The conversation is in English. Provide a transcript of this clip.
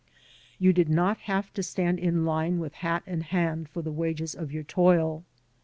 You did not have to stand in line with hat in hand for the wages of your toil.